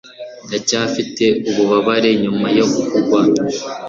Ndacyafite ububabare nyuma yo kubagwa.